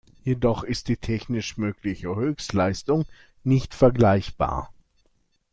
Jedoch ist die technisch mögliche Höchstleistung nicht vergleichbar.